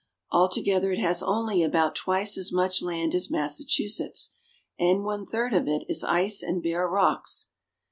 Altogether it has only about twice as much land as Massachusetts, and one third of it is ice and bare rocks.